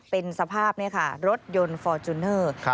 เป็นสภาพรถยนต์ฟอร์จูเนอร์